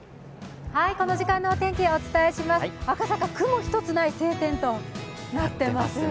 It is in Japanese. この時間のお天気、お伝えします赤坂、雲一つない晴天となっています。